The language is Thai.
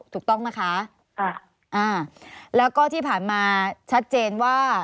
ถูกต้องนะคะค่ะอ่าแล้วก็ที่ผ่านมาชัดเจนว่า